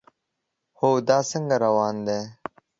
هو، دا څنګه روان دی؟